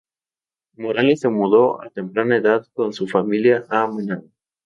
Morales se mudó a temprana edad con su familia a Managua.